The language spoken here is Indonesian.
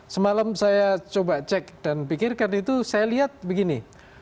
semalam saya coba cek dan pikirkan itu saya lihat begini